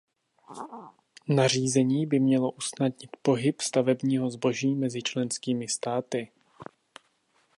Nařízení by mělo usnadnit pohyb stavebního zboží mezi členskými státy.